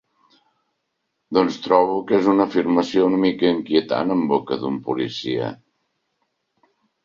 Doncs trobo que és una afirmació una mica inquietant, en boca d'un policia.